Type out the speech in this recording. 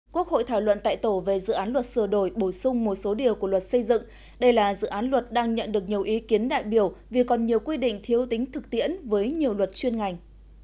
quốc hội thảo luận tại tổ về dự án luật sửa đổi bổ sung một số điều của luật xây dựng đây là dự án luật đang nhận được nhiều ý kiến đại biểu vì còn nhiều quy định thiếu tính thực tiễn với nhiều luật chuyên ngành